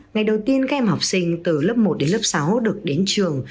ngày đầu tiên các em học sinh từ lớp một đến lớp sáu được đến trường